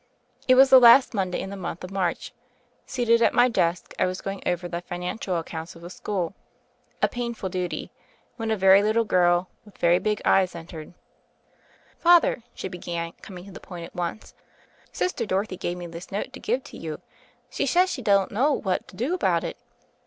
It was the last Monday in the month of March. Seated at my desk, I was going over the fiaancial accounts of the school — a painful THE FAIRY OF THE SNOWS 49 duty — ^when a very little girl with very big eyes entered. ''Father/' she began, coming to the point at once, "Sister Dorothy gave me this note to give to you; she says she don't know what to do about it."